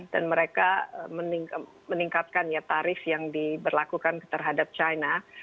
dan mereka meningkatkan tarif yang diberlakukan terhadap china